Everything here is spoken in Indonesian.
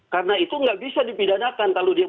karena itu nggak bisa dipidanakan kalau dia